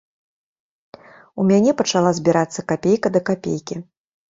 У мяне пачала збірацца капейка да капейкі.